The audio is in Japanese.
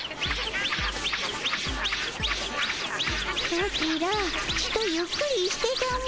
ソチらちとゆっくりしてたも。